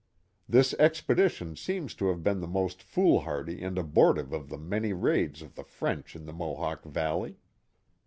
This expedition seems to have been the most foolhardy and abortive of the many raids of the French in the Mohawk Valley.